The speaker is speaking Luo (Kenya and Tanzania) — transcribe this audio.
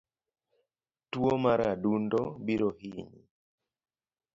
Tuo mar adundo biro hinyi